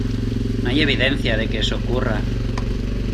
no hay evidencia de que eso ocurra.